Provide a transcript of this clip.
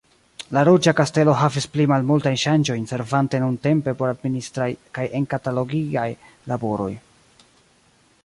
La Ruĝa Kastelo havis pli malmultajn ŝanĝojn servante nuntempe por admininistraj kaj enkatalogigaj laboroj.